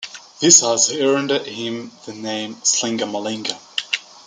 This has earned him the name "Slinga Malinga".